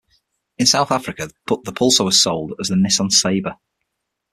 In South Africa, the Pulsar was sold as the "Nissan Sabre".